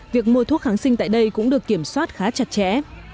việc mua thuốc kháng sinh tại đây cũng được kiểm soát khá chặt chẽ